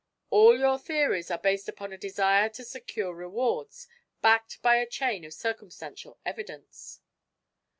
All your theories are based upon a desire to secure rewards, backed by a chain of circumstantial evidence."